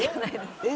「えっ？」